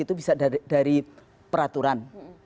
itu bisa dari peraturan